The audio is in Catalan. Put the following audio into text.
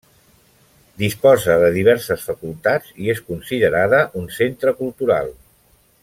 Disposa de diverses facultats i és considerada un centre cultural.